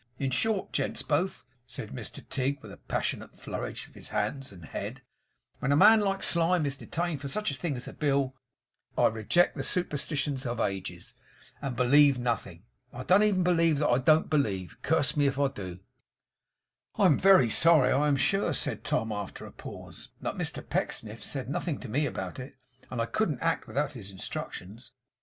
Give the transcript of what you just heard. In short, gents both,' said Mr Tigg with a passionate flourish of his hands and head, 'when a man like Slyme is detained for such a thing as a bill, I reject the superstitions of ages, and believe nothing. I don't even believe that I DON'T believe, curse me if I do!' 'I am very sorry, I am sure,' said Tom after a pause, 'but Mr Pecksniff said nothing to me about it, and I couldn't act without his instructions.